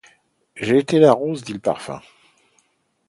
J’ai été la rose, dit le parfum.